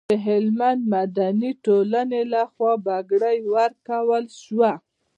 د هلمند مدني ټولنې لخوا بګړۍ ورکول شوه.